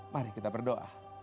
mari kita berdoa